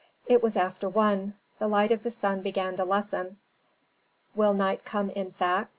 It was after one. The light of the sun began to lessen. "Will night come in fact?"